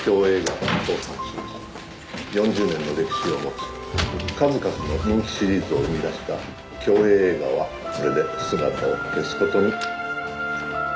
４０年の歴史を持ち数々の人気シリーズを生み出した京映映画はこれで姿を消すことに。